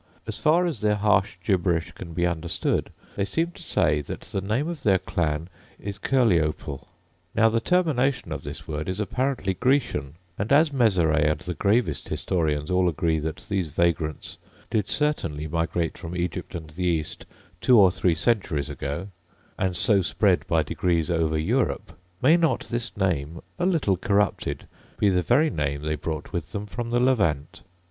— As far as their harsh gibberish can be understood, they seem to say that the name of their clan is Curleople; now the termination of this word is apparently Grecian: and as Mezeray and the gravest historians all agree that these vagrants did certainly migrate from Egypt and the East two or three centuries ago, and so spread by degrees over Europe, may not this name, a little corrupted, be the very name they brought with them from the Levant?